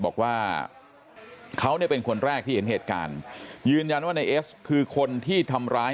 บอกว่าเขาเนี่ยเป็นคนแรกที่เห็นเหตุการณ์ยืนยันว่านายเอสคือคนที่ทำร้าย